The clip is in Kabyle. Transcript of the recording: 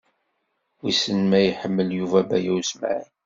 Wissen ma iḥemmel Yuba Baya U Smaɛil.